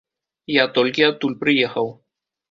Я толькі адтуль прыехаў.